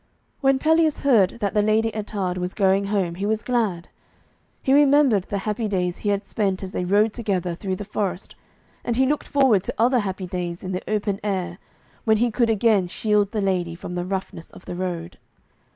When Pelleas heard that the Lady Ettarde was going home he was glad. He remembered the happy days he had spent as they rode together through the forest, and he looked forward to other happy days in the open air, when he could again shield the lady from the roughness of the road.